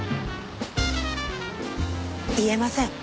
言えません。